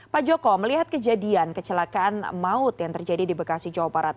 pak joko melihat kejadian kecelakaan maut yang terjadi di bekasi jawa barat